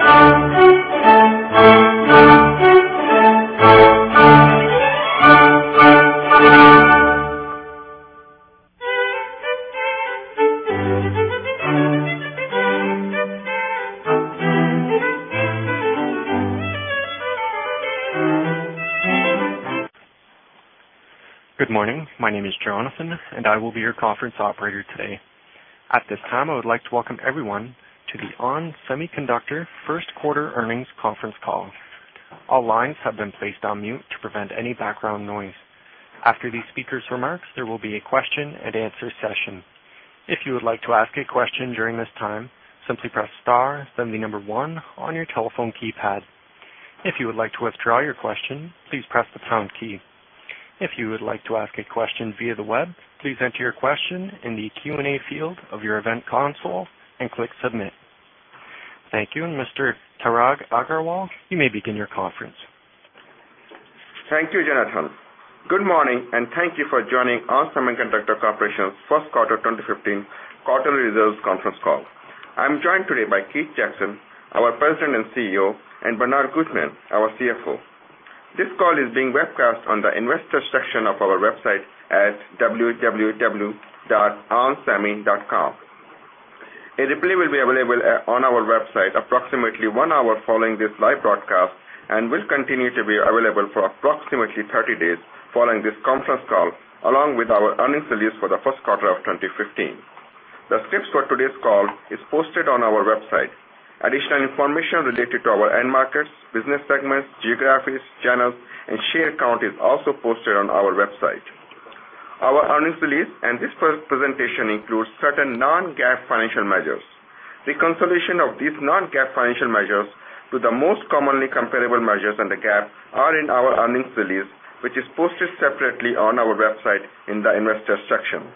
Good morning. My name is Jonathan, and I will be your conference operator today. At this time, I would like to welcome everyone to the ON Semiconductor first quarter earnings conference call. All lines have been placed on mute to prevent any background noise. After the speakers' remarks, there will be a question and answer session. If you would like to ask a question during this time, simply press star, then the number one on your telephone keypad. If you would like to withdraw your question, please press the pound key. If you would like to ask a question via the web, please enter your question in the Q&A field of your event console and click submit. Thank you. Mr. Parag Agarwal, you may begin your conference. Thank you, Jonathan. Good morning, and thank you for joining ON Semiconductor Corporation's first quarter 2015 quarterly results conference call. I'm joined today by Keith Jackson, our President and CEO, and Bernard Gutmann, our CFO. This call is being webcast on the investor section of our website at www.onsemi.com. A replay will be available on our website approximately one hour following this live broadcast and will continue to be available for approximately 30 days following this conference call, along with our earnings release for the first quarter of 2015. The script for today's call is posted on our website. Additional information related to our end markets, business segments, geographies, channels, and share count is also posted on our website. Our earnings release and this presentation includes certain non-GAAP financial measures. Reconciliation of these non-GAAP financial measures to the most commonly comparable measures in the GAAP are in our earnings release, which is posted separately on our website in the Investors section.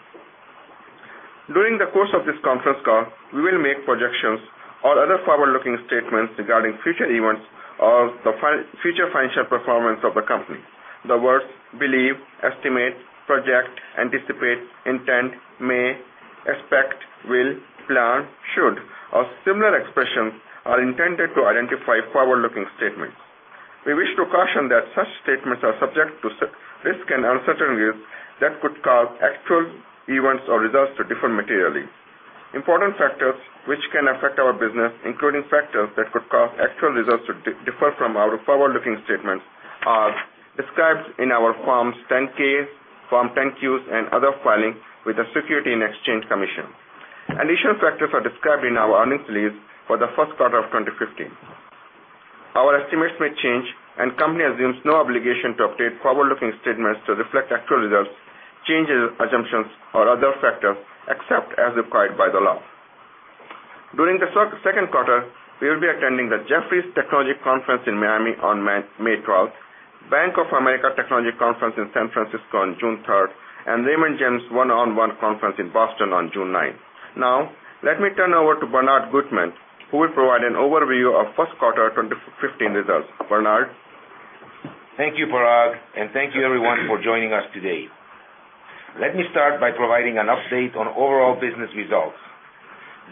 During the course of this conference call, we will make projections or other forward-looking statements regarding future events of the future financial performance of the company. The words believe, estimate, project, anticipate, intend, may, expect, will, plan, should, or similar expressions are intended to identify forward-looking statements. We wish to caution that such statements are subject to risks and uncertainties that could cause actual events or results to differ materially. Important factors which can affect our business, including factors that could cause actual results to differ from our forward-looking statements, are described in our Forms 10-K, Form 10-Qs, and other filings with the Securities and Exchange Commission. Additional factors are described in our earnings release for the first quarter of 2015. Our estimates may change, the company assumes no obligation to update forward-looking statements to reflect actual results, changes in assumptions, or other factors, except as required by the law. During the second quarter, we will be attending the Jefferies Technology Conference in Miami on May 12th, Bank of America Technology Conference in San Francisco on June 3rd, and Raymond James One-on-One Conference in Boston on June 9th. Let me turn over to Bernard Gutmann, who will provide an overview of first quarter 2015 results. Bernard? Thank you, Parag, and thank you everyone for joining us today. Let me start by providing an update on overall business results.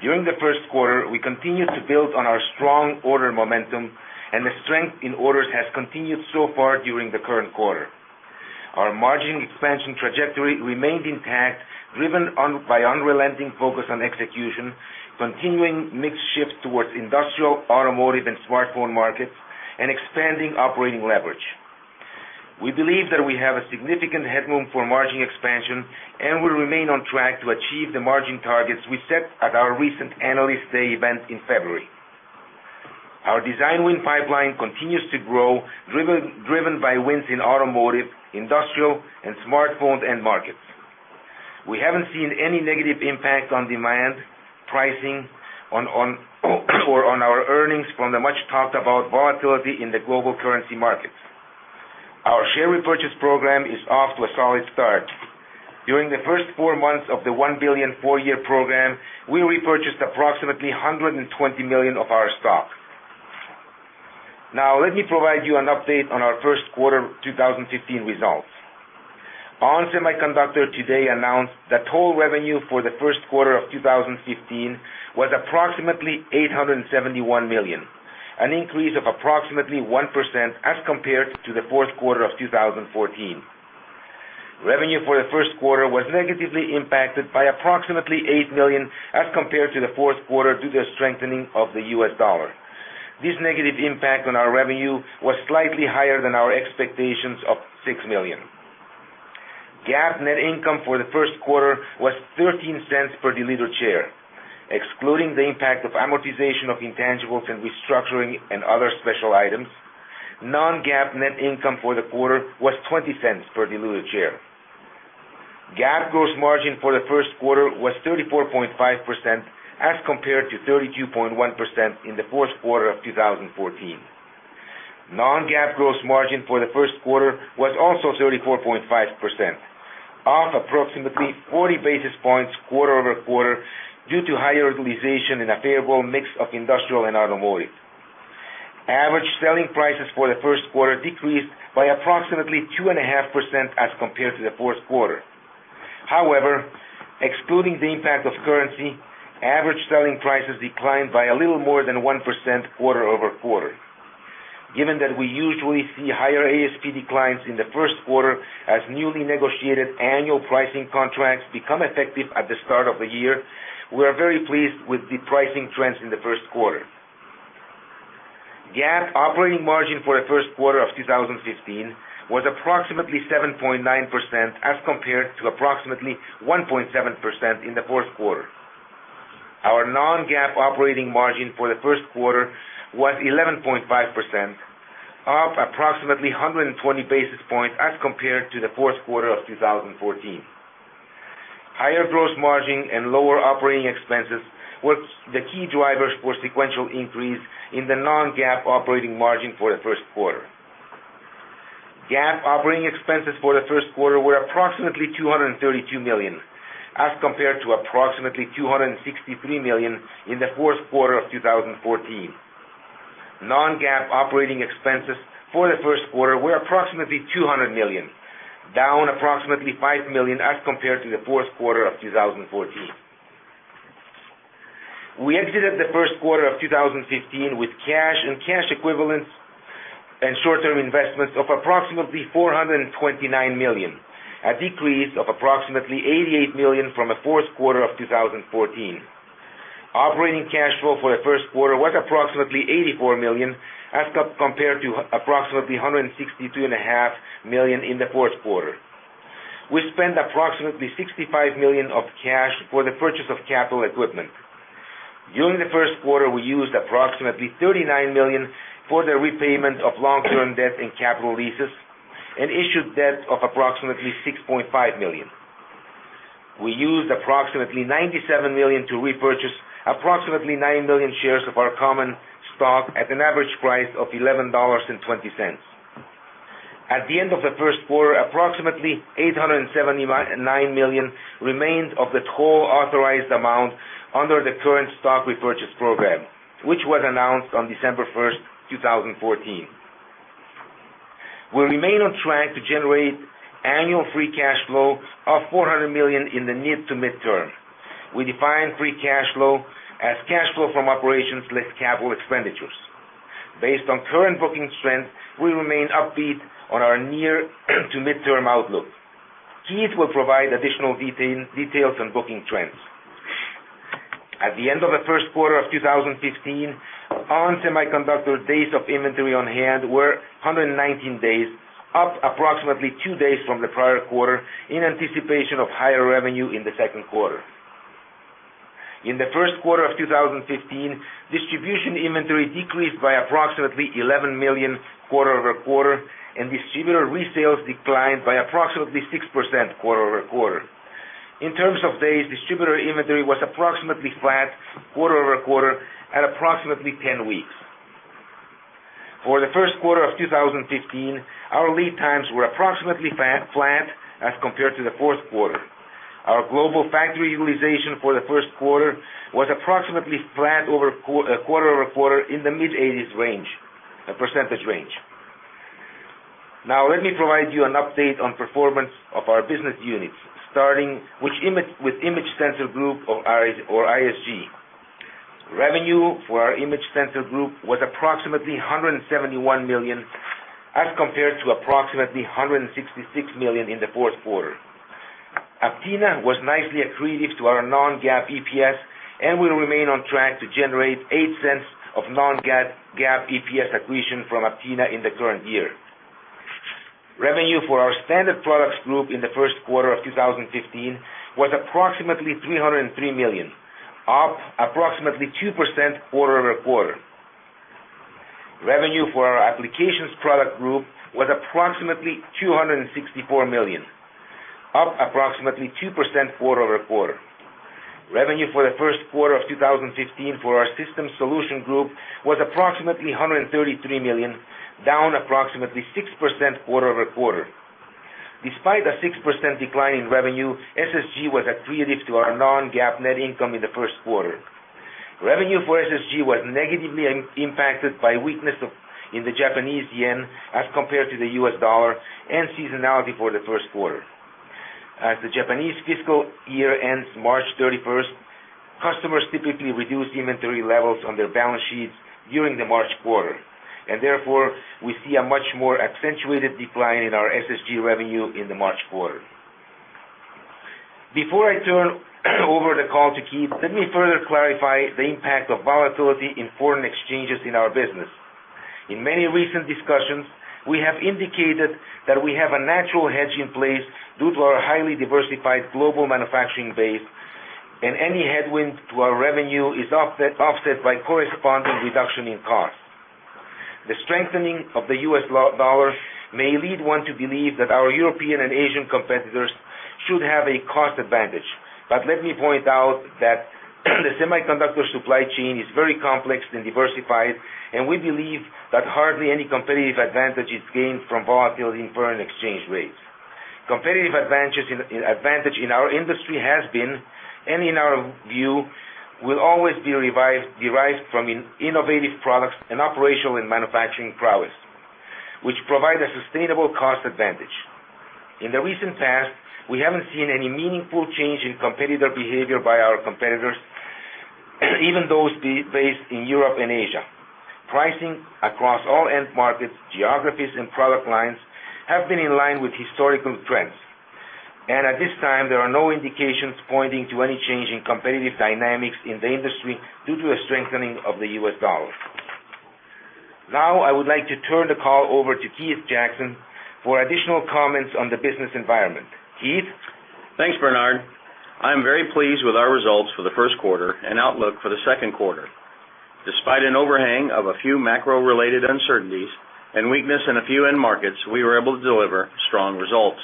During the first quarter, we continued to build on our strong order momentum. The strength in orders has continued so far during the current quarter. Our margin expansion trajectory remained intact, driven by unrelenting focus on execution, continuing mix shifts towards industrial, automotive, and smartphone markets, and expanding operating leverage. We believe that we have a significant headroom for margin expansion. We remain on track to achieve the margin targets we set at our recent Analyst Day event in February. Our design win pipeline continues to grow, driven by wins in automotive, industrial, and smartphone end markets. We haven't seen any negative impact on demand pricing or on our earnings from the much-talked-about volatility in the global currency markets. Our share repurchase program is off to a solid start. During the first four months of the $1 billion, four-year program, we repurchased approximately $120 million of our stock. Now, let me provide you an update on our first quarter 2015 results. ON Semiconductor today announced that total revenue for the first quarter of 2015 was approximately $871 million, an increase of approximately 1% as compared to the fourth quarter of 2014. Revenue for the first quarter was negatively impacted by approximately $8 million as compared to the fourth quarter due to the strengthening of the U.S. dollar. This negative impact on our revenue was slightly higher than our expectations of $6 million. GAAP net income for the first quarter was $0.13 per diluted share. Excluding the impact of amortization of intangibles and restructuring and other special items, non-GAAP net income for the quarter was $0.20 per diluted share. GAAP gross margin for the first quarter was 34.5% as compared to 32.1% in the fourth quarter of 2014. Non-GAAP gross margin for the first quarter was also 34.5%, up approximately 40 basis points quarter-over-quarter due to higher utilization and a favorable mix of industrial and automotive. Average selling prices for the first quarter decreased by approximately 2.5% as compared to the fourth quarter. However, excluding the impact of currency, average selling prices declined by a little more than 1% quarter-over-quarter. Given that we usually see higher ASP declines in the first quarter as newly negotiated annual pricing contracts become effective at the start of the year, we are very pleased with the pricing trends in the first quarter. GAAP operating margin for the first quarter of 2015 was approximately 7.9% as compared to approximately 1.7% in the fourth quarter. Our non-GAAP operating margin for the first quarter was 11.5%, up approximately 120 basis points as compared to the fourth quarter of 2014. Higher gross margin and lower operating expenses was the key drivers for sequential increase in the non-GAAP operating margin for the first quarter. GAAP operating expenses for the first quarter were approximately $232 million, as compared to approximately $263 million in the fourth quarter of 2014. Non-GAAP operating expenses for the first quarter were approximately $200 million, down approximately $5 million as compared to the fourth quarter of 2014. We exited the first quarter of 2015 with cash and cash equivalents and short-term investments of approximately $429 million, a decrease of approximately $88 million from the fourth quarter of 2014. Operating cash flow for the first quarter was approximately $84 million as compared to approximately $162.5 million in the fourth quarter. We spent approximately $65 million of cash for the purchase of capital equipment. During the first quarter, we used approximately $39 million for the repayment of long-term debt and capital leases and issued debt of approximately $6.5 million. We used approximately $97 million to repurchase approximately 9 million shares of our common stock at an average price of $11.20. At the end of the first quarter, approximately $879 million remained of the total authorized amount under the current stock repurchase program, which was announced on December 1, 2014. We remain on track to generate annual free cash flow of $400 million in the near to midterm. We define free cash flow as cash flow from operations less capital expenditures. Based on current booking strength, we remain upbeat on our near to midterm outlook. Keith will provide additional details on booking trends. At the end of the first quarter of 2015, ON Semiconductor days of inventory on hand were 119 days, up approximately two days from the prior quarter in anticipation of higher revenue in the second quarter. In the first quarter of 2015, distribution inventory decreased by approximately $11 million quarter-over-quarter, and distributor resales declined by approximately 6% quarter-over-quarter. In terms of days, distributor inventory was approximately flat quarter-over-quarter at approximately 10 weeks. For the first quarter of 2015, our lead times were approximately flat as compared to the fourth quarter. Our global factory utilization for the first quarter was approximately flat quarter-over-quarter in the mid-80s percentage range. Now, let me provide you an update on performance of our business units, starting with Image Sensor Group or ISG. Revenue for our Image Sensor Group was approximately $171 million, as compared to approximately $166 million in the fourth quarter. Aptina was nicely accretive to our non-GAAP EPS and will remain on track to generate $0.08 of non-GAAP EPS accretion from Aptina in the current year. Revenue for our Standard Products Group in the first quarter of 2015 was approximately $303 million, up approximately 2% quarter-over-quarter. Revenue for our Application Products Group was approximately $264 million, up approximately 2% quarter-over-quarter. Revenue for the first quarter of 2015 for our System Solutions Group was approximately $133 million, down approximately 6% quarter-over-quarter. Despite a 6% decline in revenue, SSG was accretive to our non-GAAP net income in the first quarter. Revenue for SSG was negatively impacted by weakness in the Japanese yen as compared to the U.S. dollar and seasonality for the first quarter. As the Japanese fiscal year ends March 31, customers typically reduce inventory levels on their balance sheets during the March quarter, and therefore, we see a much more accentuated decline in our SSG revenue in the March quarter. Before I turn over the call to Keith, let me further clarify the impact of volatility in foreign exchanges in our business. In many recent discussions, we have indicated that we have a natural hedge in place due to our highly diversified global manufacturing base, and any headwind to our revenue is offset by corresponding reduction in cost. The strengthening of the U.S. dollar may lead one to believe that our European and Asian competitors should have a cost advantage. Let me point out that the semiconductor supply chain is very complex and diversified, and we believe that hardly any competitive advantage is gained from volatility in foreign exchange rates. Competitive advantage in our industry has been, and in our view, will always derive from innovative products and operational and manufacturing prowess, which provide a sustainable cost advantage. In the recent past, we haven't seen any meaningful change in competitive behavior by our competitors, even those based in Europe and Asia. Pricing across all end markets, geographies, and product lines have been in line with historical trends. At this time, there are no indications pointing to any change in competitive dynamics in the industry due to a strengthening of the U.S. dollar. Now, I would like to turn the call over to Keith Jackson for additional comments on the business environment. Keith? Thanks, Bernard. I'm very pleased with our results for the first quarter and outlook for the second quarter. Despite an overhang of a few macro-related uncertainties and weakness in a few end markets, we were able to deliver strong results.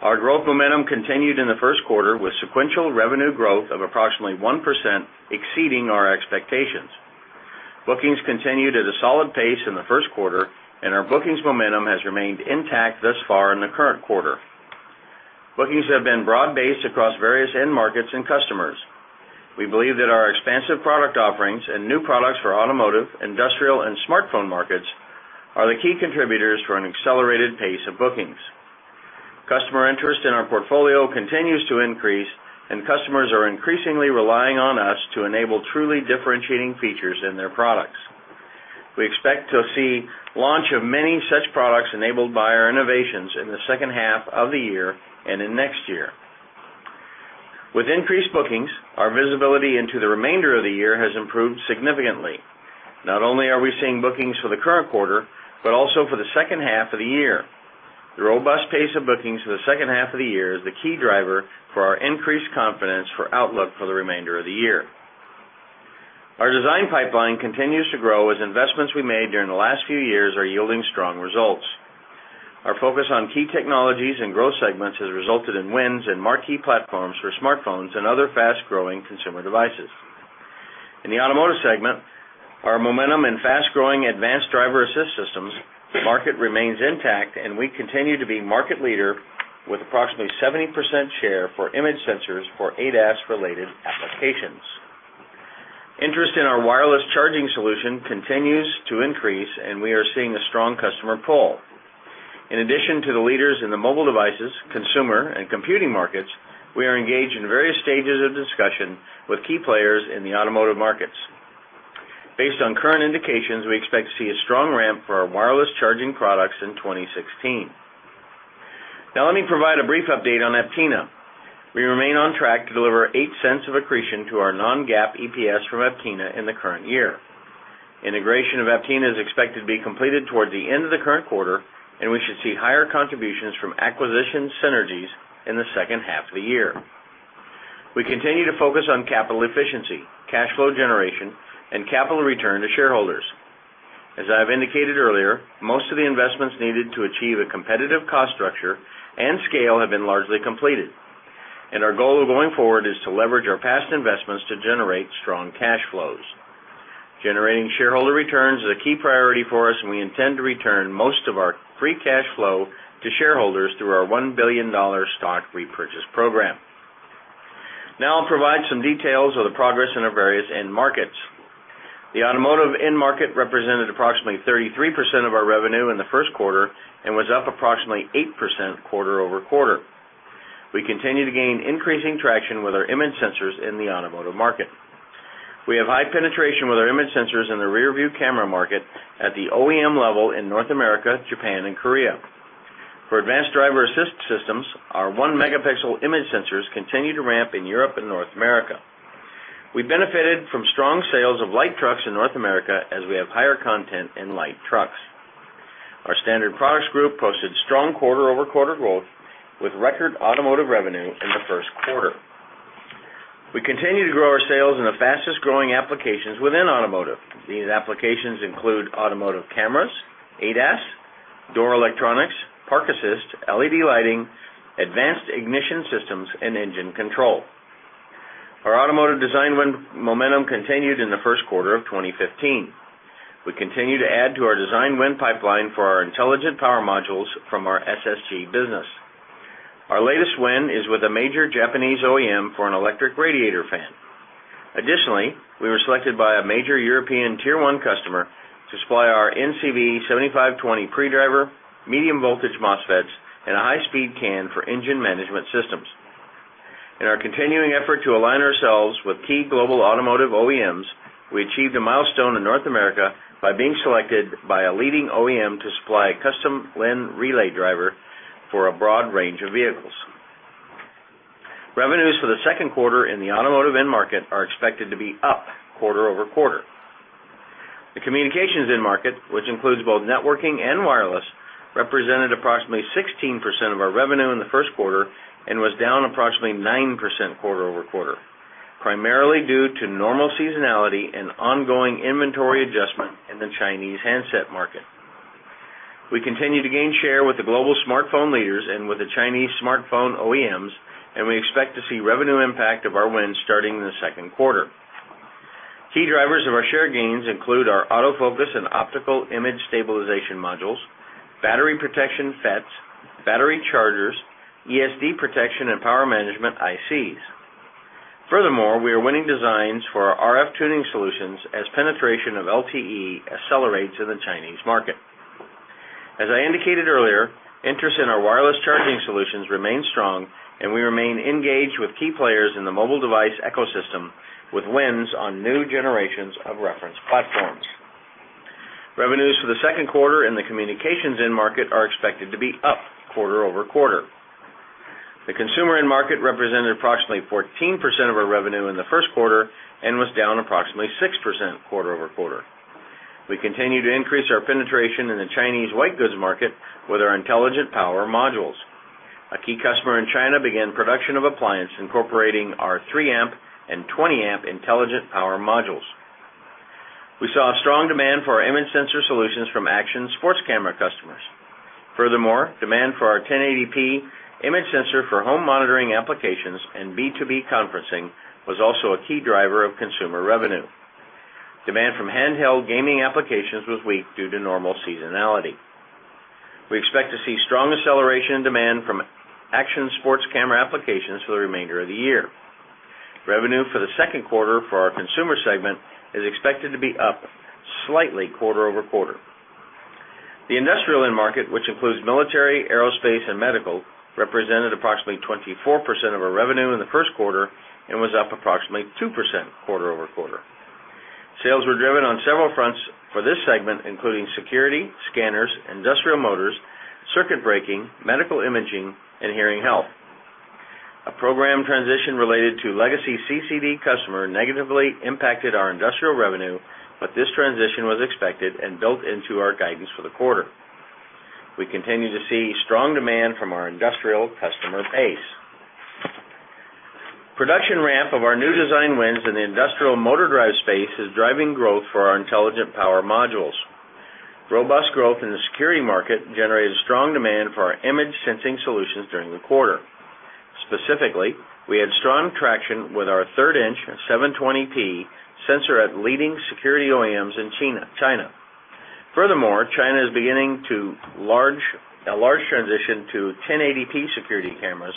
Our growth momentum continued in the first quarter with sequential revenue growth of approximately 1% exceeding our expectations. Bookings continued at a solid pace in the first quarter, and our bookings momentum has remained intact thus far in the current quarter. Bookings have been broad-based across various end markets and customers. We believe that our expansive product offerings and new products for automotive, industrial, and smartphone markets are the key contributors for an accelerated pace of bookings. Customer interest in our portfolio continues to increase, and customers are increasingly relying on us to enable truly differentiating features in their products. We expect to see launch of many such products enabled by our innovations in the second half of the year and in next year. With increased bookings, our visibility into the remainder of the year has improved significantly. Not only are we seeing bookings for the current quarter, but also for the second half of the year. The robust pace of bookings for the second half of the year is the key driver for our increased confidence for outlook for the remainder of the year. Our design pipeline continues to grow as investments we made during the last few years are yielding strong results. Our focus on key technologies and growth segments has resulted in wins and marquee platforms for smartphones and other fast-growing consumer devices. In the automotive segment, our momentum in fast-growing advanced driver-assist systems market remains intact, we continue to be market leader with approximately 70% share for image sensors for ADAS-related applications. Interest in our wireless charging solution continues to increase, we are seeing a strong customer pull. In addition to the leaders in the mobile devices, consumer, and computing markets, we are engaged in various stages of discussion with key players in the automotive markets. Based on current indications, we expect to see a strong ramp for our wireless charging products in 2016. Let me provide a brief update on Aptina. We remain on track to deliver $0.08 of accretion to our non-GAAP EPS from Aptina in the current year. Integration of Aptina is expected to be completed towards the end of the current quarter, we should see higher contributions from acquisition synergies in the second half of the year. We continue to focus on capital efficiency, cash flow generation, capital return to shareholders. As I have indicated earlier, most of the investments needed to achieve a competitive cost structure and scale have been largely completed, our goal going forward is to leverage our past investments to generate strong cash flows. Generating shareholder returns is a key priority for us, we intend to return most of our free cash flow to shareholders through our $1 billion stock repurchase program. I'll provide some details of the progress in our various end markets. The automotive end market represented approximately 33% of our revenue in the first quarter and was up approximately 8% quarter-over-quarter. We continue to gain increasing traction with our image sensors in the automotive market. We have high penetration with our image sensors in the rearview camera market at the OEM level in North America, Japan, and Korea. For advanced driver-assist systems, our 1-megapixel image sensors continue to ramp in Europe and North America. We benefited from strong sales of light trucks in North America as we have higher content in light trucks. Our Standard Products Group posted strong quarter-over-quarter growth with record automotive revenue in the first quarter. We continue to grow our sales in the fastest-growing applications within automotive. These applications include automotive cameras, ADAS, door electronics, park assist, LED lighting, advanced ignition systems, and engine control. Our automotive design win momentum continued in the first quarter of 2015. We continue to add to our design win pipeline for our intelligent power modules from our SSG business. Our latest win is with a major Japanese OEM for an electric radiator fan. We were selected by a major European tier 1 customer to supply our NCV7520 pre-driver medium-voltage MOSFETs and a high-speed CAN for engine management systems. In our continuing effort to align ourselves with key global automotive OEMs, we achieved a milestone in North America by being selected by a leading OEM to supply a custom LIN relay driver for a broad range of vehicles. Revenues for the second quarter in the automotive end market are expected to be up quarter-over-quarter. The communications end market, which includes both networking and wireless, represented approximately 16% of our revenue in the first quarter and was down approximately 9% quarter-over-quarter, primarily due to normal seasonality and ongoing inventory adjustment in the Chinese handset market. We continue to gain share with the global smartphone leaders and with the Chinese smartphone OEMs, and we expect to see revenue impact of our wins starting in the second quarter. Key drivers of our share gains include our autofocus and optical image stabilization modules, battery protection FETs, battery chargers, ESD protection, and power management ICs. Furthermore, we are winning designs for our RF tuning solutions as penetration of LTE accelerates in the Chinese market. As I indicated earlier, interest in our wireless charging solutions remains strong, and we remain engaged with key players in the mobile device ecosystem, with wins on new generations of reference platforms. Revenues for the second quarter in the communications end market are expected to be up quarter-over-quarter. The consumer end market represented approximately 14% of our revenue in the first quarter and was down approximately 6% quarter-over-quarter. We continue to increase our penetration in the Chinese white goods market with our intelligent power modules. A key customer in China began production of appliance incorporating our 3 amp and 20 amp intelligent power modules. We saw a strong demand for our image sensor solutions from action sports camera customers. Furthermore, demand for our 1080p image sensor for home monitoring applications and B2B conferencing was also a key driver of consumer revenue. Demand from handheld gaming applications was weak due to normal seasonality. We expect to see strong acceleration and demand from action sports camera applications for the remainder of the year. Revenue for the second quarter for our consumer segment is expected to be up slightly quarter-over-quarter. The industrial end market, which includes military, aerospace, and medical, represented approximately 24% of our revenue in the first quarter and was up approximately 2% quarter-over-quarter. Sales were driven on several fronts for this segment, including security, scanners, industrial motors, circuit breaking, medical imaging, and hearing health. A program transition related to legacy CCD customer negatively impacted our industrial revenue, but this transition was expected and built into our guidance for the quarter. We continue to see strong demand from our industrial customer base. Production ramp of our new design wins in the industrial motor drive space is driving growth for our intelligent power modules. Robust growth in the security market generated strong demand for our image sensing solutions during the quarter. Specifically, we had strong traction with our third-inch, 720p sensor at leading security OEMs in China. Furthermore, China is beginning a large transition to 1080p security cameras,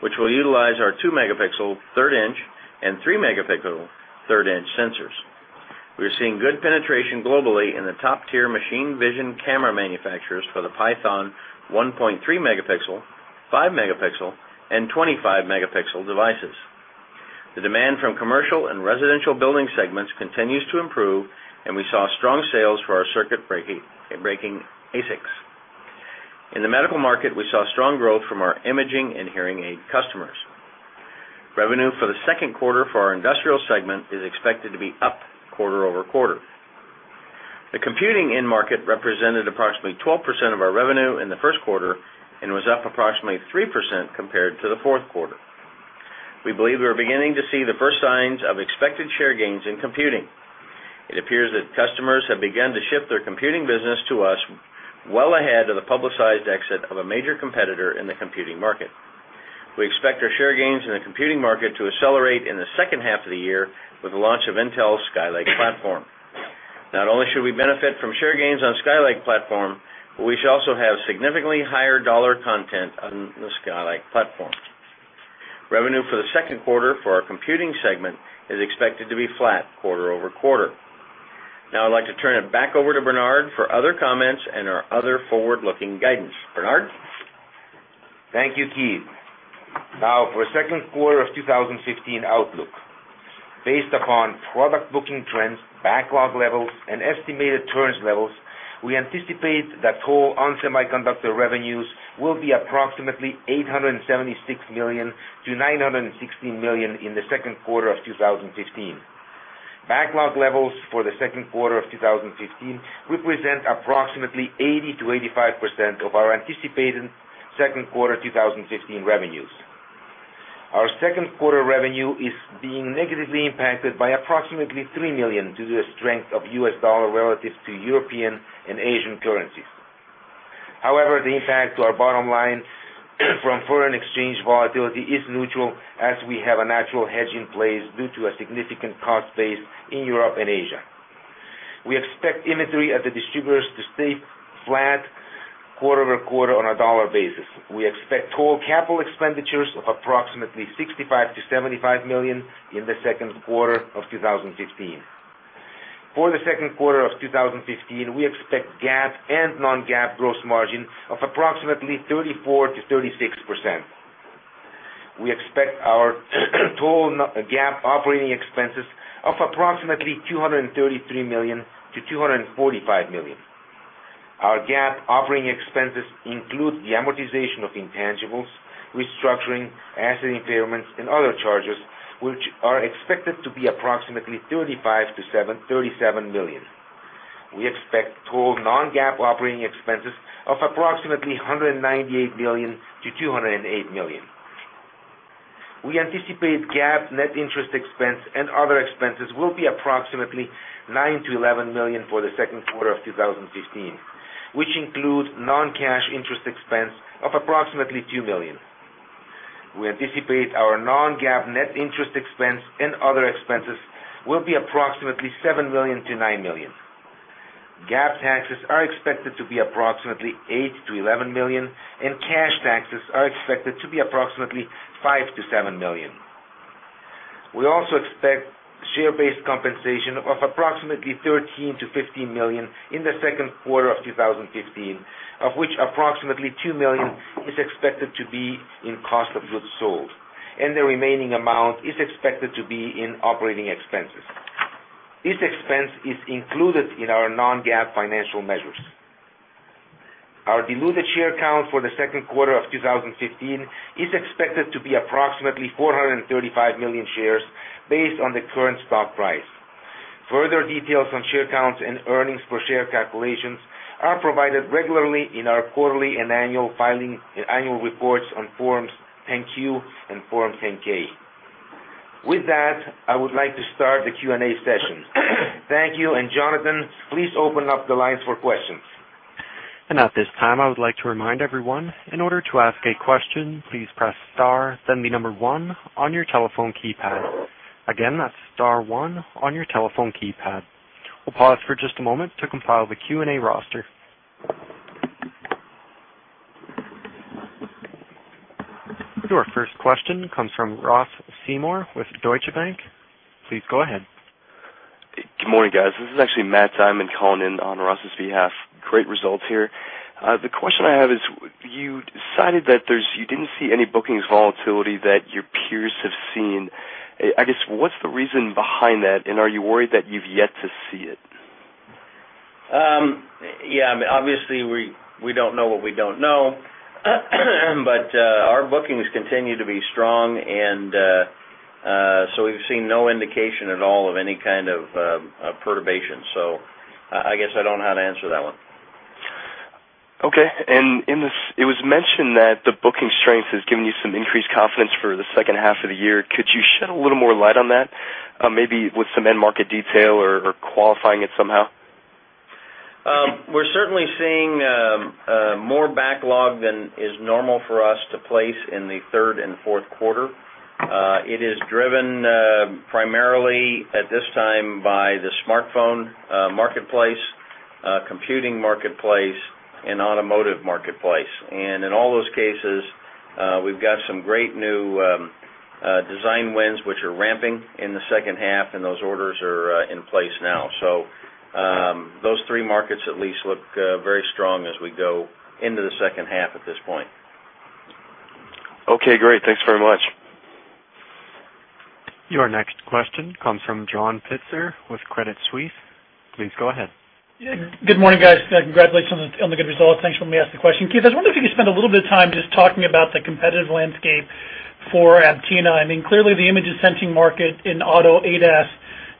which will utilize our 2 megapixel, third-inch and 3 megapixel, third-inch sensors. We are seeing good penetration globally in the top tier machine vision camera manufacturers for the Python 1.3 megapixel, 5 megapixel, and 25 megapixel devices. The demand from commercial and residential building segments continues to improve, and we saw strong sales for our circuit breaking ASICs. In the medical market, we saw strong growth from our imaging and hearing aid customers. Revenue for the second quarter for our industrial segment is expected to be up quarter-over-quarter. The computing end market represented approximately 12% of our revenue in the first quarter and was up approximately 3% compared to the fourth quarter. We believe we are beginning to see the first signs of expected share gains in computing. It appears that customers have begun to shift their computing business to us well ahead of the publicized exit of a major competitor in the computing market. We expect our share gains in the computing market to accelerate in the second half of the year with the launch of Intel's Skylake platform. Not only should we benefit from share gains on Skylake platform, but we should also have significantly higher dollar content on the Skylake platform. Revenue for the second quarter for our computing segment is expected to be flat quarter-over-quarter. Now I'd like to turn it back over to Bernard for other comments and our other forward-looking guidance. Bernard? Thank you, Keith. Now for second quarter of 2015 outlook. Based upon product booking trends, backlog levels, and estimated turns levels, we anticipate that total ON Semiconductor revenues will be approximately $876 million-$916 million in the second quarter of 2015. Backlog levels for the second quarter of 2015 represent approximately 80%-85% of our anticipated second quarter 2015 revenues. Our second quarter revenue is being negatively impacted by approximately $3 million due to the strength of U.S. dollar relative to European and Asian currencies. However, the impact to our bottom line from foreign exchange volatility is neutral, as we have a natural hedge in place due to a significant cost base in Europe and Asia. We expect inventory at the distributors to stay flat quarter-over-quarter on a dollar basis. We expect total capital expenditures of approximately $65 million-$75 million in the second quarter of 2015. For the second quarter of 2015, we expect GAAP and non-GAAP gross margin of approximately 34%-36%. We expect our total GAAP operating expenses of approximately $233 million-$245 million. Our GAAP operating expenses include the amortization of intangibles, restructuring, asset impairments, and other charges, which are expected to be approximately $35 million-$37 million. We expect total non-GAAP operating expenses of approximately $198 million-$208 million. We anticipate GAAP net interest expense and other expenses will be approximately $9 million-$11 million for the second quarter of 2015, which include non-cash interest expense of approximately $2 million. We anticipate our non-GAAP net interest expense and other expenses will be approximately $7 million-$9 million. GAAP taxes are expected to be approximately $8 million-$11 million, and cash taxes are expected to be approximately $5 million-$7 million. We also expect share-based compensation of approximately $13 million-$15 million in the second quarter of 2015, of which approximately $2 million is expected to be in cost of goods sold, and the remaining amount is expected to be in operating expenses. This expense is included in our non-GAAP financial measures. Our diluted share count for the second quarter of 2015 is expected to be approximately 435 million shares, based on the current stock price. Further details on share counts and earnings per share calculations are provided regularly in our quarterly and annual reports on Forms 10-Q and Form 10-K. With that, I would like to start the Q&A session. Thank you, and Jonathan, please open up the lines for questions. At this time, I would like to remind everyone, in order to ask a question, please press star, then the number 1 on your telephone keypad. Again, that's star 1 on your telephone keypad. We'll pause for just a moment to compile the Q&A roster. Our first question comes from Ross Seymore with Deutsche Bank. Please go ahead. Good morning, guys. This is actually Matt Simon calling in on Ross's behalf. Great results here. The question I have is, you decided that you didn't see any bookings volatility that your peers have seen. I guess, what's the reason behind that, and are you worried that you've yet to see it? Obviously, we don't know what we don't know, but our bookings continue to be strong, we've seen no indication at all of any kind of perturbation. I guess I don't know how to answer that one. Okay. It was mentioned that the booking strength has given you some increased confidence for the second half of the year. Could you shed a little more light on that, maybe with some end-market detail or qualifying it somehow? We're certainly seeing more backlog than is normal for us to place in the third and fourth quarter. It is driven primarily at this time by the smartphone marketplace, computing marketplace, and automotive marketplace. In all those cases, we've got some great new design wins, which are ramping in the second half, and those orders are in place now. Those three markets at least look very strong as we go into the second half at this point. Okay, great. Thanks very much. Your next question comes from John Pitzer with Credit Suisse. Please go ahead. Good morning, guys. Congratulations on the good results. Thanks for letting me ask the question. Keith, I was wondering if you could spend a little bit of time just talking about the competitive landscape for Aptina. Clearly, the image sensing market in auto ADAS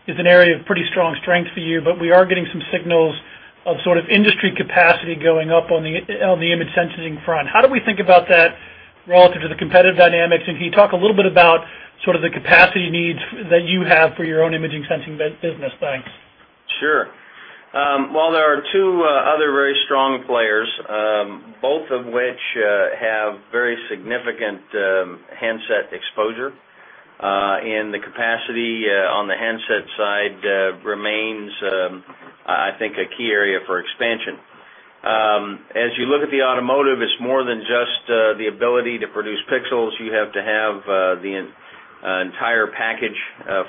is an area of pretty strong strength for you, we are getting some signals of sort of industry capacity going up on the image sensing front. How do we think about that relative to the competitive dynamics, and can you talk a little bit about sort of the capacity needs that you have for your own imaging sensing business? Thanks. Sure. Well, there are two other very strong players, both of which have very significant handset exposure, and the capacity on the handset side remains, I think, a key area for expansion. As you look at the automotive, it's more than just the ability to produce pixels. You have to have the entire package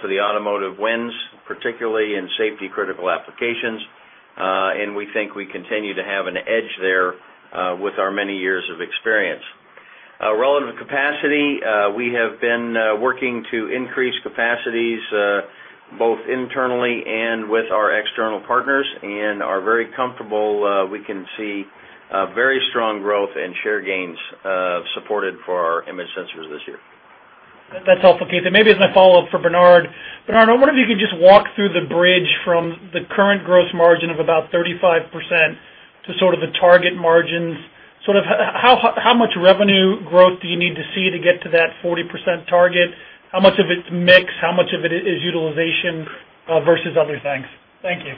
for the automotive wins, particularly in safety-critical applications, and we think we continue to have an edge there with our many years of experience. Relative capacity, we have been working to increase capacities both internally and with our external partners and are very comfortable we can see very strong growth and share gains supported for our image sensors this year. That's helpful, Keith, and maybe as my follow-up for Bernard. Bernard, I wonder if you could just walk through the bridge from the current gross margin of about 35% to sort of the target margins. How much revenue growth do you need to see to get to that 40% target? How much of it's mix, how much of it is utilization versus other things? Thank you.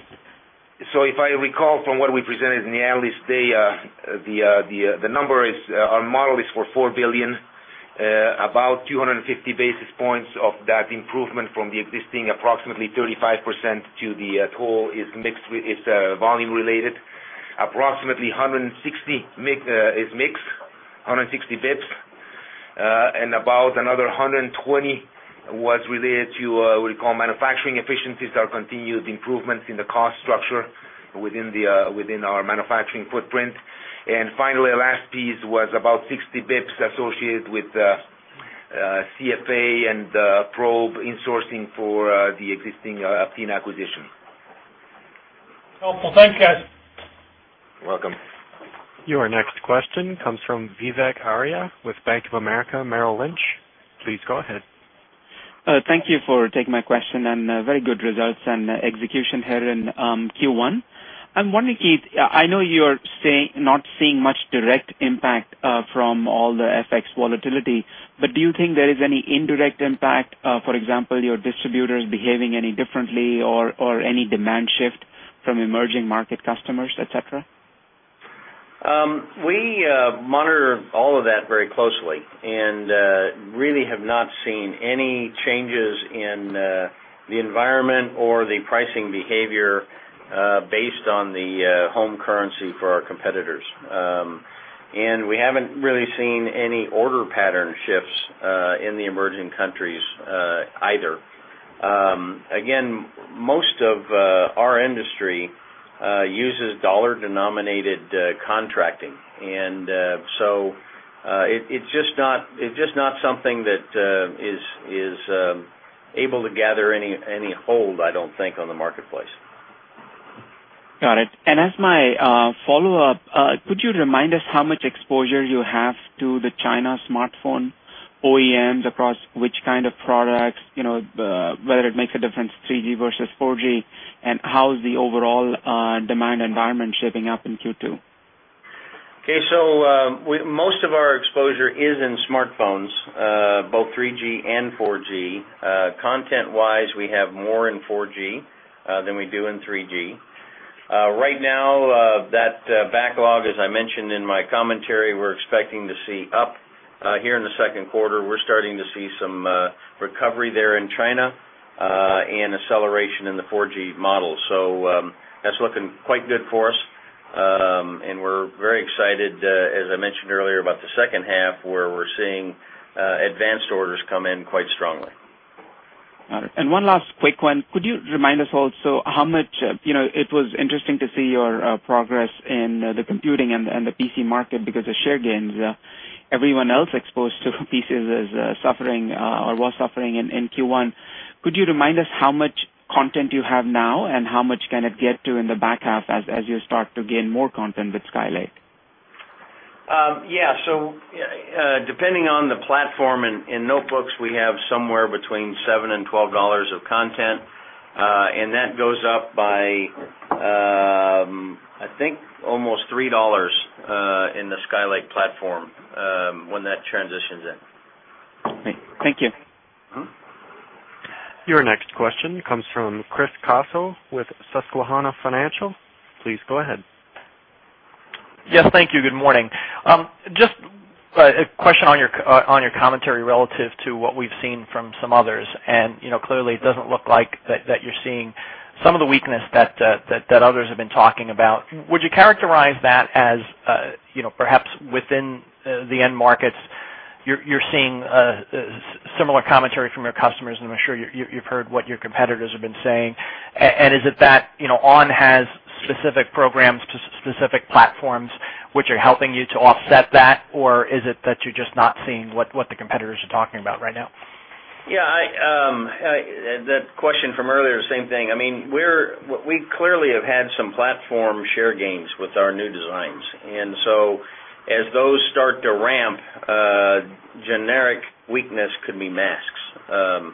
If I recall from what we presented in the analyst day, our model is for $4 billion. About 250 basis points of that improvement from the existing approximately 35% to the total is volume related. Approximately 160 is mix, 160 basis points, and about another 120 was related to manufacturing efficiencies or continued improvements in the cost structure within our manufacturing footprint. Finally, the last piece was about 60 basis points associated with CFA and probe insourcing for the existing Aptina acquisition. Helpful. Thanks, guys. You're welcome. Your next question comes from Vivek Arya with Bank of America Merrill Lynch. Please go ahead. Thank you for taking my question, and very good results and execution here in Q1. I'm wondering, Keith, I know you're not seeing much direct impact from all the FX volatility, but do you think there is any indirect impact, for example, your distributors behaving any differently or any demand shift from emerging market customers, et cetera? We monitor all of that very closely and really have not seen any changes in the environment or the pricing behavior based on the home currency for our competitors. We haven't really seen any order pattern shifts in the emerging countries either. Again, most of our industry uses dollar-denominated contracting, and so it's just not something that is able to gather any hold, I don't think, on the marketplace. Got it. As my follow-up, could you remind us how much exposure you have to the China smartphone OEMs, across which kind of products, whether it makes a difference, 3G versus 4G, and how is the overall demand environment shaping up in Q2? Okay. Most of our exposure is in smartphones, both 3G and 4G. Content-wise, we have more in 4G than we do in 3G. Right now, that backlog, as I mentioned in my commentary, we're expecting to see up here in the second quarter. We're starting to see some recovery there in China and acceleration in the 4G model. That's looking quite good for us. We're very excited, as I mentioned earlier, about the second half, where we're seeing advanced orders come in quite strongly. Got it. One last quick one. Could you remind us also how much It was interesting to see your progress in the computing and the PC market because of share gains. Everyone else exposed to PCs is suffering, or was suffering in Q1. Could you remind us how much content you have now, and how much can it get to in the back half as you start to gain more content with Skylake? Yeah. Depending on the platform, in notebooks, we have somewhere between $7 and $12 of content. That goes up by, I think, almost $3 in the Skylake platform when that transitions in. Thank you. Your next question comes from Chris Caso with Susquehanna Financial. Please go ahead. Yes, thank you. Good morning. Just a question on your commentary relative to what we've seen from some others. Clearly, it doesn't look like that you're seeing some of the weakness that others have been talking about. Would you characterize that as perhaps within the end markets, you're seeing similar commentary from your customers, I mean, I'm sure you've heard what your competitors have been saying. Is it that ON has specific programs to specific platforms which are helping you to offset that, or is it that you're just not seeing what the competitors are talking about right now? Yeah. That question from earlier, same thing. We clearly have had some platform share gains with our new designs. So as those start to ramp, generic weakness could be masks.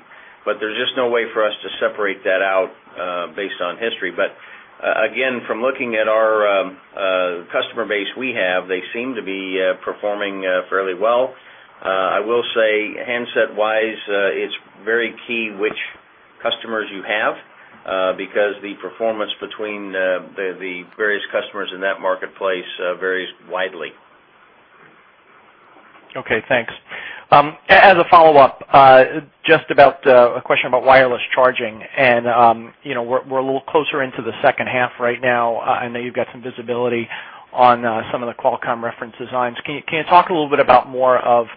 There's just no way for us to separate that out based on history. Again, from looking at our customer base we have, they seem to be performing fairly well. I will say, handset-wise, it's very key which customers you have, because the performance between the various customers in that marketplace varies widely. Okay, thanks. As a follow-up, just a question about wireless charging. We're a little closer into the second half right now. I know you've got some visibility on some of the Qualcomm reference designs. Can you talk a little bit about more of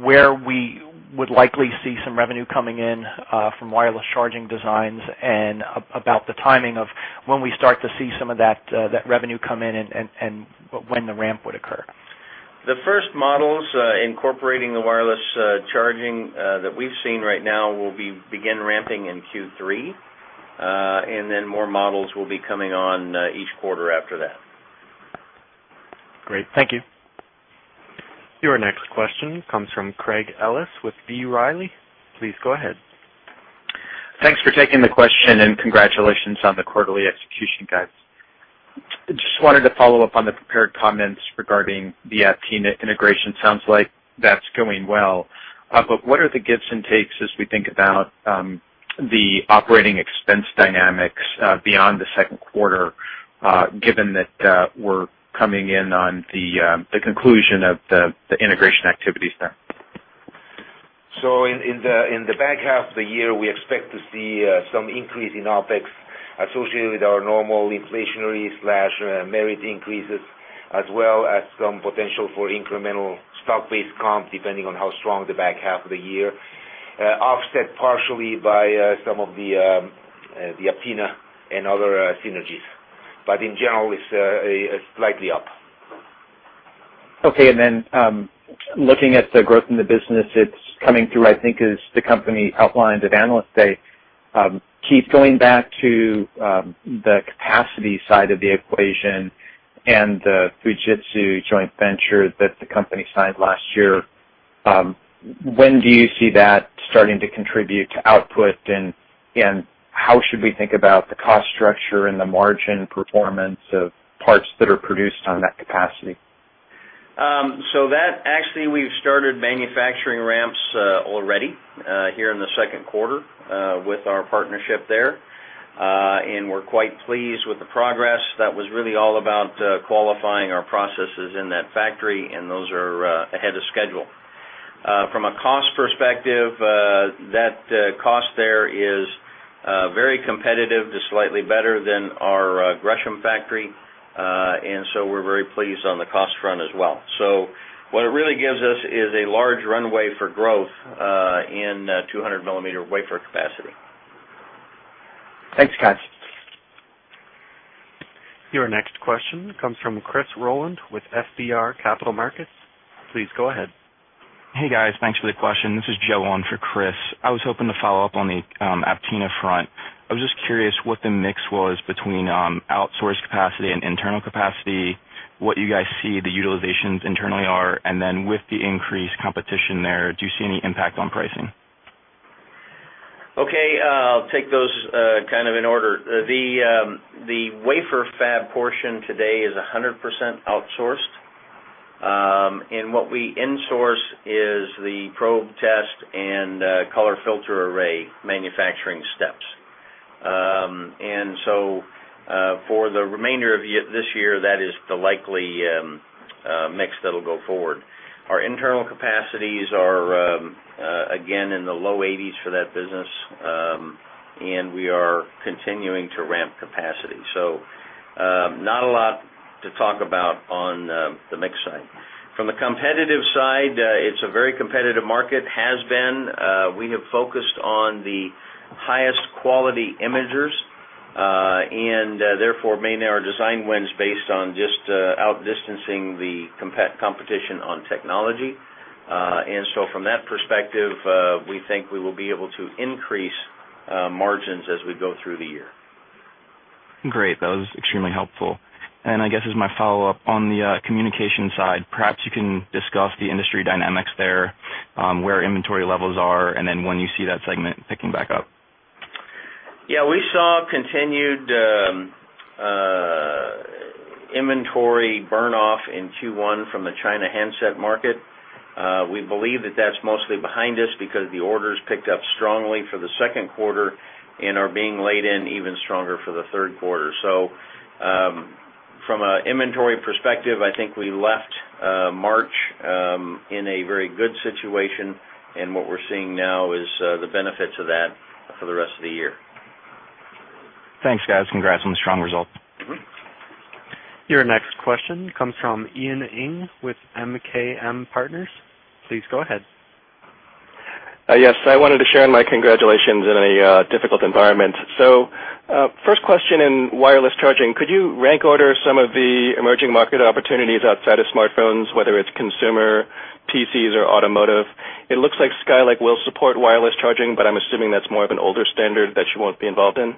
where we would likely see some revenue coming in from wireless charging designs and about the timing of when we start to see some of that revenue come in and when the ramp would occur? The first models incorporating the wireless charging that we've seen right now will begin ramping in Q3, and then more models will be coming on each quarter after that. Great. Thank you. Your next question comes from Craig Ellis with B. Riley. Please go ahead. Thanks for taking the question, and congratulations on the quarterly execution, guys. Just wanted to follow up on the prepared comments regarding the Aptina integration. Sounds like that's going well. What are the gives and takes as we think about the operating expense dynamics beyond the second quarter, given that we're coming in on the conclusion of the integration activities there? In the back half of the year, we expect to see some increase in OpEx associated with our normal inflationary/merit increases, as well as some potential for incremental stock-based comp, depending on how strong the back half of the year, offset partially by some of the Aptina and other synergies. In general, it's slightly up. Okay. Looking at the growth in the business, it's coming through, I think as the company outlined at Analyst Day. Keith, going back to the capacity side of the equation and the Fujitsu joint venture that the company signed last year, when do you see that starting to contribute to output, and how should we think about the cost structure and the margin performance of parts that are produced on that capacity? Actually, we've started manufacturing ramps already here in the second quarter with our partnership there, and we're quite pleased with the progress. That was really all about qualifying our processes in that factory, and those are ahead of schedule. From a cost perspective, that cost there is very competitive to slightly better than our Gresham factory. We're very pleased on the cost front as well. What it really gives us is a large runway for growth in 200-millimeter wafer capacity. Thanks, guys. Your next question comes from Christopher Rolland with FBR Capital Markets. Please go ahead. Hey, guys. Thanks for the question. This is Joe on for Chris. I was hoping to follow up on the Aptina front. I was just curious what the mix was between outsourced capacity and internal capacity, what you guys see the utilizations internally are, and then with the increased competition there, do you see any impact on pricing? Okay. I'll take those in order. The wafer fab portion today is 100% outsourced. What we insource is the probe test and color filter array manufacturing steps. For the remainder of this year, that is the likely mix that'll go forward. Our internal capacities are, again, in the low 80s for that business, and we are continuing to ramp capacity. Not a lot to talk about on the mix side. From the competitive side, it's a very competitive market, has been. We have focused on the highest quality imagers, and therefore many of our design wins based on just outdistancing the competition on technology. From that perspective, we think we will be able to increase margins as we go through the year. Great. That was extremely helpful. I guess as my follow-up, on the communication side, perhaps you can discuss the industry dynamics there, where inventory levels are, when you see that segment picking back up. Yeah, we saw continued inventory burn-off in Q1 from the China handset market. We believe that that's mostly behind us because the orders picked up strongly for the second quarter and are being laid in even stronger for the third quarter. From an inventory perspective, I think we left March in a very good situation, and what we're seeing now is the benefits of that for the rest of the year. Thanks, guys. Congrats on the strong result. Your next question comes from Ian Ng with MKM Partners. Please go ahead. Yes. I wanted to share my congratulations in a difficult environment. First question in wireless charging, could you rank order some of the emerging market opportunities outside of smartphones, whether it's consumer, PCs, or automotive? It looks like Skylake will support wireless charging, but I'm assuming that's more of an older standard that you won't be involved in.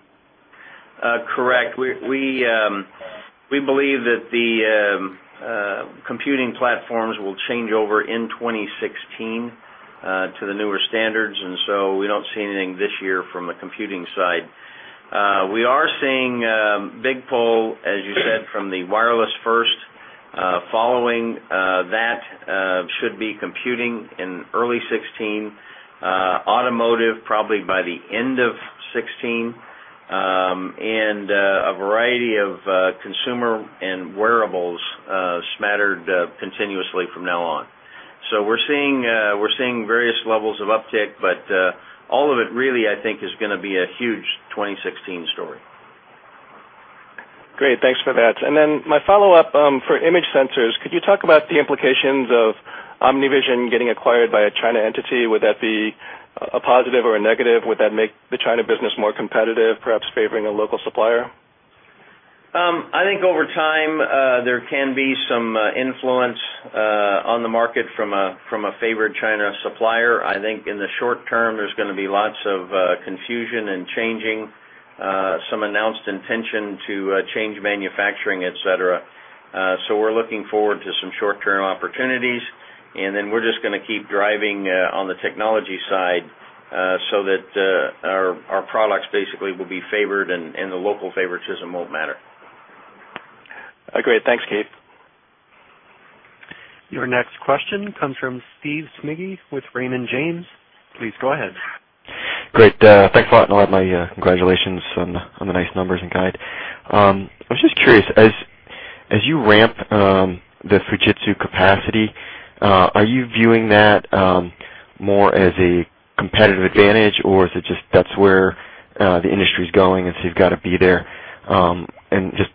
Correct. We believe that the computing platforms will change over in 2016 to the newer standards, we don't see anything this year from the computing side. We are seeing big pull, as you said, from the wireless first. Following that should be computing in early 2016, automotive probably by the end of 2016, and a variety of consumer and wearables smattered continuously from now on. We're seeing various levels of uptick, but all of it really, I think, is going to be a huge 2016 story. Great. Thanks for that. My follow-up, for image sensors, could you talk about the implications of OmniVision getting acquired by a China entity? Would that be a positive or a negative? Would that make the China business more competitive, perhaps favoring a local supplier? I think over time, there can be some influence on the market from a favored China supplier. I think in the short term, there's going to be lots of confusion and changing, some announced intention to change manufacturing, et cetera. We're looking forward to some short-term opportunities, we're just going to keep driving on the technology side, so that our products basically will be favored, and the local favoritism won't matter. Great. Thanks, Keith. Your next question comes from Steven Smigie with Raymond James. Please go ahead. Great. Thanks a lot. All my congratulations on the nice numbers and guide. I was just curious, as you ramp the Fujitsu capacity, are you viewing that more as a competitive advantage, or is it just that's where the industry's going, so you've got to be there? Just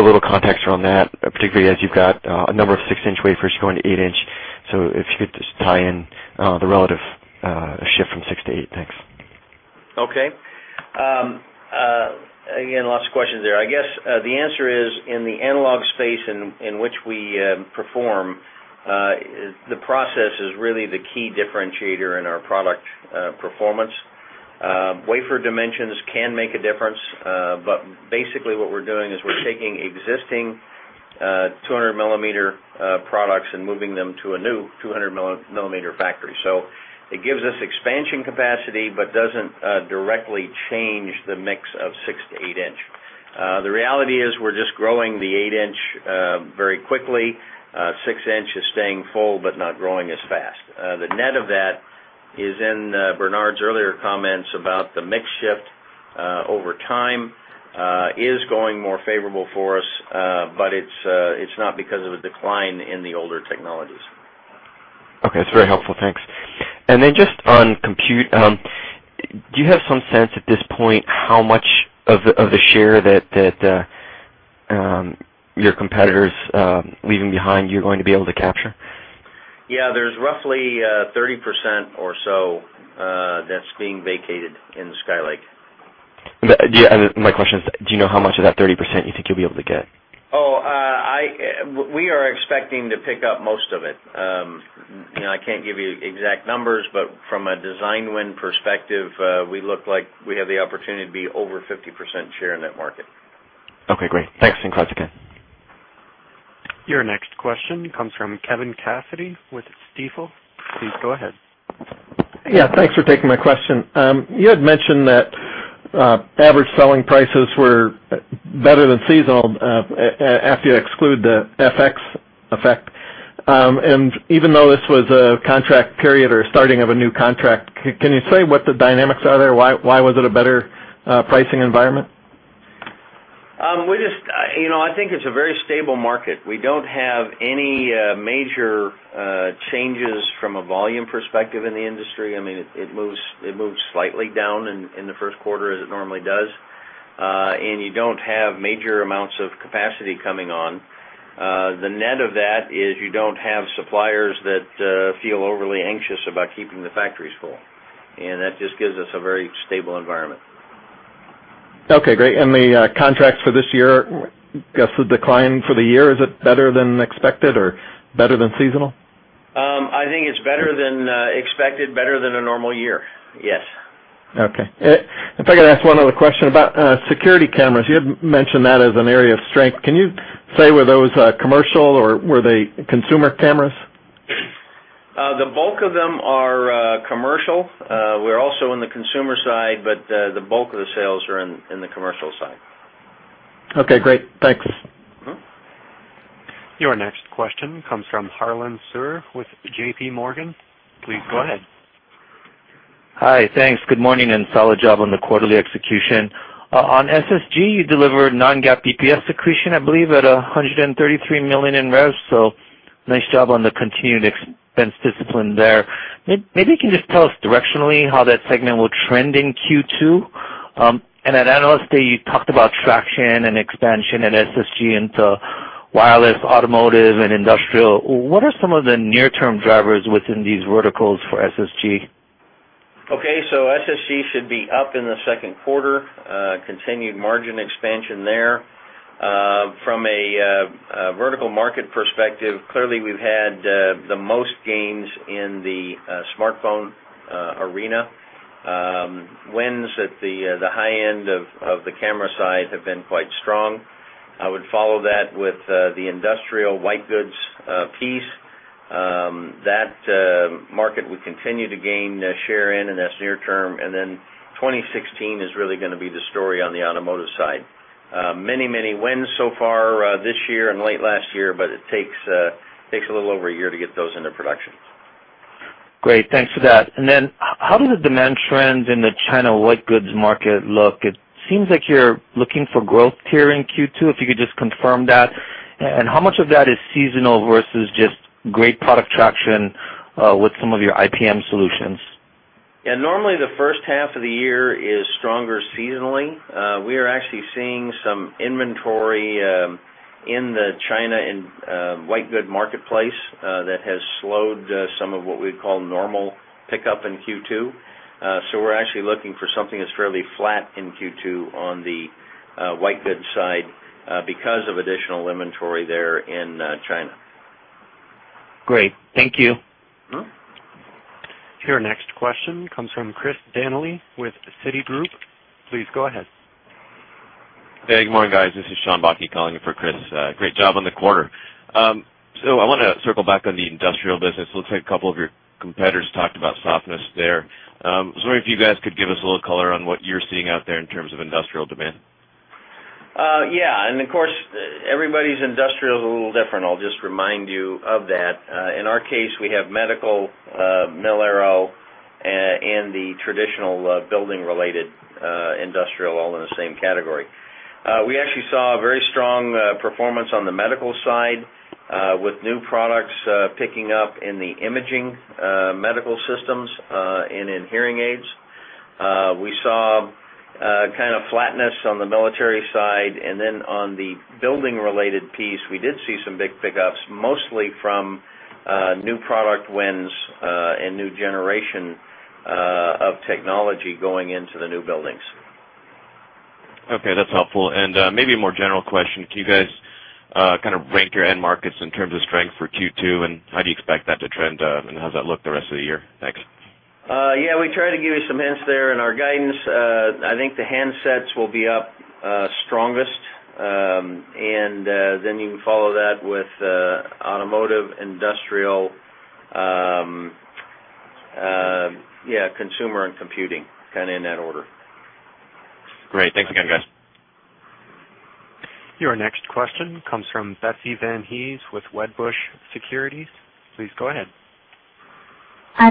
a little context around that, particularly as you've got a number of 6-inch wafers going to 8-inch. If you could just tie in the relative shift from 6 to 8. Thanks. Okay. Again, lots of questions there. I guess, the answer is in the analog space in which we perform, the process is really the key differentiator in our product performance. Wafer dimensions can make a difference, but basically what we're doing is we're taking existing 200-millimeter products and moving them to a new 200-millimeter factory. It gives us expansion capacity but doesn't directly change the mix of 6 to 8-inch. The reality is we're just growing the 8-inch very quickly. 6-inch is staying full but not growing as fast. The net of that is in Bernard's earlier comments about the mix shift over time is going more favorable for us, it's not because of a decline in the older technologies. Okay. It's very helpful. Thanks. Just on compute, do you have some sense at this point how much of the share that your competitor's leaving behind, you're going to be able to capture? Yeah. There's roughly 30% or so that's being vacated in Skylake. My question is, do you know how much of that 30% you think you'll be able to get? Oh, we are expecting to pick up most of it. I can't give you exact numbers, but from a design win perspective, we look like we have the opportunity to be over 50% share in that market. Okay, great. Thanks. Thanks again. Your next question comes from Kevin Cassidy with Stifel. Please go ahead. Yeah, thanks for taking my question. You had mentioned that average selling prices were better than seasonal, after you exclude the FX effect. Even though this was a contract period or a starting of a new contract, can you say what the dynamics are there? Why was it a better pricing environment? I think it's a very stable market. We don't have any major changes from a volume perspective in the industry. It moves slightly down in the first quarter as it normally does. You don't have major amounts of capacity coming on. The net of that is you don't have suppliers that feel overly anxious about keeping the factories full, and that just gives us a very stable environment. Okay, great. The contracts for this year, I guess the decline for the year, is it better than expected or better than seasonal? I think it's better than expected, better than a normal year. Yes. Okay. If I could ask one other question about security cameras. You had mentioned that as an area of strength. Can you say, were those commercial or were they consumer cameras? The bulk of them are commercial. We're also in the consumer side, but the bulk of the sales are in the commercial side. Okay, great. Thanks. Your next question comes from Harlan Sur with J.P. Morgan. Please go ahead. Hi. Thanks. Good morning, solid job on the quarterly execution. On SSG, you delivered non-GAAP EPS accretion, I believe, at $133 million in revs, nice job on the continued expense discipline there. Maybe you can just tell us directionally how that segment will trend in Q2. At Analyst Day, you talked about traction and expansion at SSG into wireless, automotive, and industrial. What are some of the near-term drivers within these verticals for SSG? Okay. SSG should be up in the second quarter. Continued margin expansion there. From a vertical market perspective, clearly, we've had the most gains in the smartphone arena. Wins at the high end of the camera side have been quite strong. I would follow that with the industrial white goods piece. That market we continue to gain share in in this near term, then 2016 is really going to be the story on the automotive side. Many wins so far this year and late last year, but it takes a little over a year to get those into production. Great, thanks for that. How do the demand trends in the China white goods market look? It seems like you're looking for growth here in Q2. If you could just confirm that. How much of that is seasonal versus just great product traction with some of your IPM solutions? Yeah, normally, the first half of the year is stronger seasonally. We are actually seeing some inventory in the China and white goods marketplace that has slowed some of what we'd call normal pickup in Q2. We're actually looking for something that's fairly flat in Q2 on the white goods side because of additional inventory there in China. Great. Thank you. Your next question comes from Christopher Danely with Citigroup. Please go ahead. Hey, good morning, guys. This is Sean Bakke calling in for Chris. Great job on the quarter. I want to circle back on the industrial business. Looks like a couple of your competitors talked about softness there. I was wondering if you guys could give us a little color on what you're seeing out there in terms of industrial demand. Yeah. Of course, everybody's industrial is a little different. I'll just remind you of that. In our case, we have medical, mil-aero, and the traditional building-related industrial all in the same category. We actually saw a very strong performance on the medical side, with new products picking up in the imaging medical systems and in hearing aids. We saw kind of flatness on the military side. Then on the building-related piece, we did see some big pickups, mostly from new product wins and new generation of technology going into the new buildings. Okay, that's helpful. Maybe a more general question. Can you guys kind of rank your end markets in terms of strength for Q2, and how do you expect that to trend, and how does that look the rest of the year? Thanks. Yeah. We try to give you some hints there in our guidance. I think the handsets will be up strongest, and then you can follow that with automotive, industrial Yeah, consumer and computing, in that order. Great. Thanks again, guys. Your next question comes from Betsy Van Hees with Wedbush Securities. Please go ahead.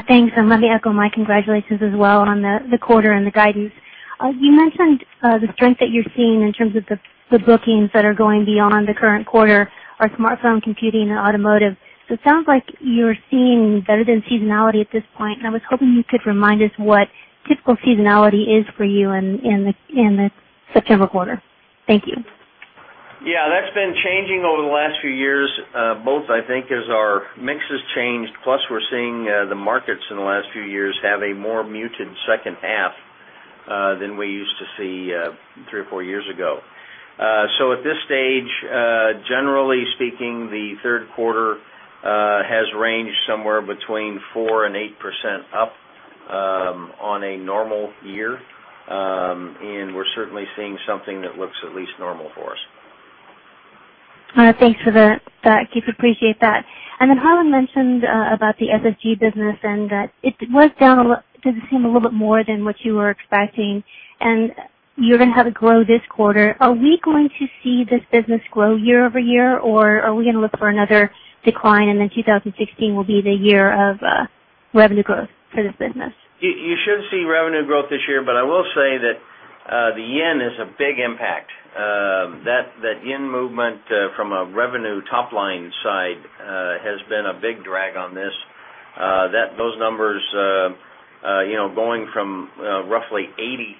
Thanks, and let me echo my congratulations as well on the quarter and the guidance. You mentioned the strength that you're seeing in terms of the bookings that are going beyond the current quarter are smartphone, computing, and automotive. It sounds like you're seeing better than seasonality at this point, and I was hoping you could remind us what typical seasonality is for you in the September quarter. Thank you. Yeah. That's been changing over the last few years, both I think as our mix has changed, plus we're seeing the markets in the last few years have a more muted second half, than we used to see three or four years ago. At this stage, generally speaking, the third quarter has ranged somewhere between 4% and 8% up on a normal year. We're certainly seeing something that looks at least normal for us. Thanks for that. Do appreciate that. Harlan mentioned about the SSG business and that it was down a little, does it seem a little bit more than what you were expecting, and you're going to have it grow this quarter. Are we going to see this business grow year-over-year, or are we going to look for another decline and then 2016 will be the year of revenue growth for this business? You should see revenue growth this year. I will say that the yen is a big impact. That yen movement from a revenue top-line side has been a big drag on this. Those numbers going from roughly 80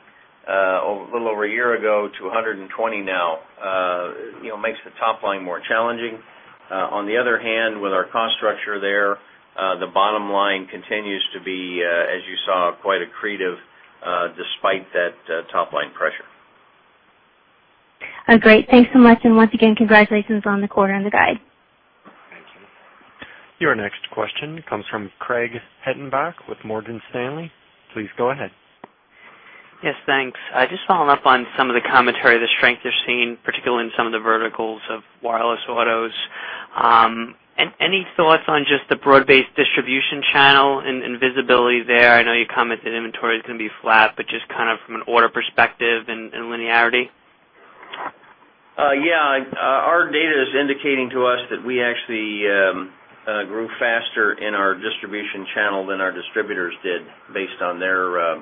a little over a year ago to 120 now makes the top line more challenging. With our cost structure there, the bottom line continues to be, as you saw, quite accretive, despite that top-line pressure. Great. Thanks so much. Once again, congratulations on the quarter and the guide. Thank you. Your next question comes from Craig Hettenbach with Morgan Stanley. Please go ahead. Yes, thanks. Just following up on some of the commentary, the strength you're seeing, particularly in some of the verticals of wireless autos. Any thoughts on just the broad-based distribution channel and visibility there? I know you commented inventory is going to be flat, just from an order perspective and linearity. Yeah. Our data is indicating to us that we actually grew faster in our distribution channel than our distributors did based on their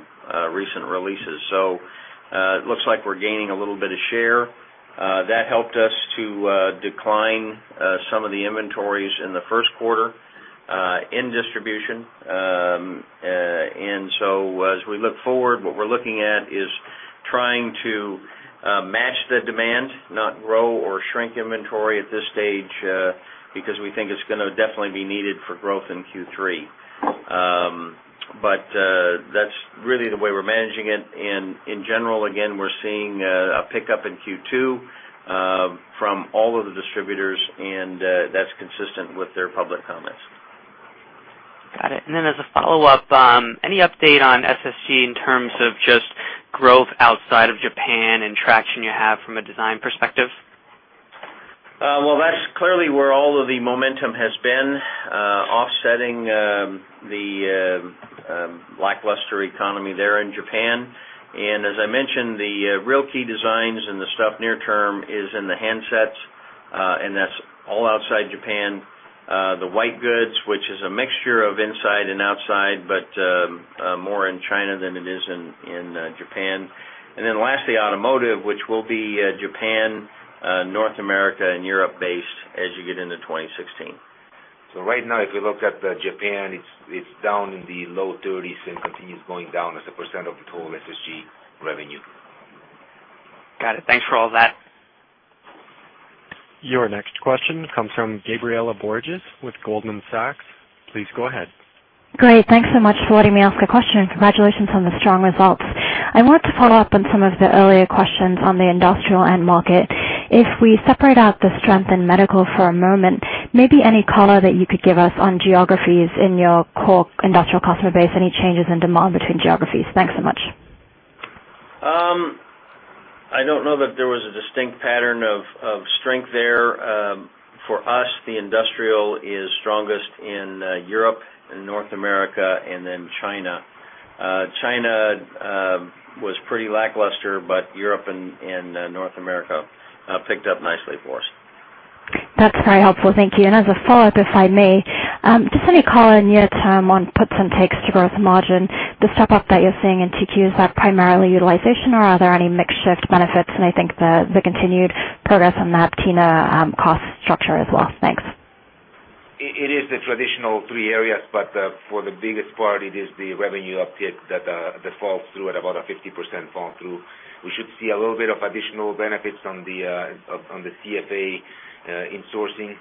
recent releases. It looks like we're gaining a little bit of share. That helped us to decline some of the inventories in the first quarter, in distribution. As we look forward, what we're looking at is trying to match the demand, not grow or shrink inventory at this stage, because we think it's going to definitely be needed for growth in Q3. That's really the way we're managing it, and in general, again, we're seeing a pickup in Q2 from all of the distributors, and that's consistent with their public comments. Got it. As a follow-up, any update on SSG in terms of just growth outside of Japan and traction you have from a design perspective? That's clearly where all of the momentum has been, offsetting the lackluster economy there in Japan. As I mentioned, the real key designs and the stuff near term is in the handsets, and that's all outside Japan. The white goods, which is a mixture of inside and outside, but more in China than it is in Japan. Lastly, automotive, which will be Japan, North America, and Europe-based as you get into 2016. Right now, if you look at Japan, it's down in the low 30s and continues going down as a % of the total SSG revenue. Got it. Thanks for all that. Your next question comes from Gabriela Borges with Goldman Sachs. Please go ahead. Great. Thanks so much for letting me ask a question. Congratulations on the strong results. I wanted to follow up on some of the earlier questions on the industrial end market. If we separate out the strength in medical for a moment, maybe any color that you could give us on geographies in your core industrial customer base, any changes in demand between geographies? Thanks so much. I don't know that there was a distinct pattern of strength there. For us, the industrial is strongest in Europe, in North America, and then China. China was pretty lackluster. Europe and North America picked up nicely for us. That's very helpful. Thank you. As a follow-up, if I may, just any color near term on puts and takes to gross margin, the step up that you're seeing in 2Q, is that primarily utilization or are there any mix shift benefits? I think the continued progress on that Aptina cost structure as well. Thanks. It is the traditional three areas, but for the biggest part, it is the revenue uptick that falls through at about a 50% fall through. We should see a little bit of additional benefits on the CFA insourcing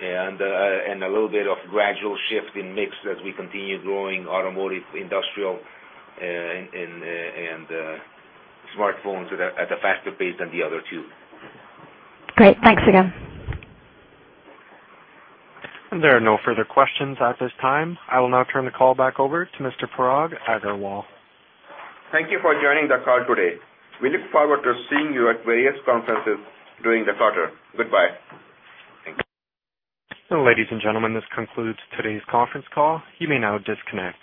and a little bit of gradual shift in mix as we continue growing automotive, industrial, and smartphones at a faster pace than the other two. Great. Thanks again. There are no further questions at this time. I will now turn the call back over to Mr. Parag Agarwal. Thank you for joining the call today. We look forward to seeing you at various conferences during the quarter. Goodbye. Ladies and gentlemen, this concludes today's conference call. You may now disconnect.